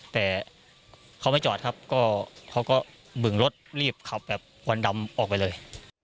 แต่เขาไม่จอดครับก็เขาก็บึงรถรีบขับแบบควันดำออกไปเลย